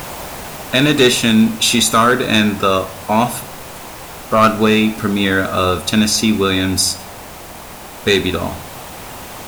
In addition, she starred in the off-Broadway premiere of Tennessee Williams' "Baby Doll".